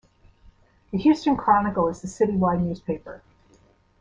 The "Houston Chronicle" is the citywide newspaper.